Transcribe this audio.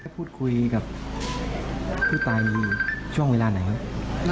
พูดคุยกับผู้ตายมีช่วงเวลาไหนครับ